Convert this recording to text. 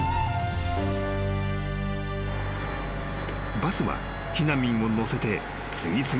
［バスは避難民を乗せて次々に出発した］